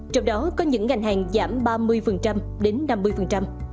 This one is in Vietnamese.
trong đó có những ngành hàng giảm ba mươi đến năm mươi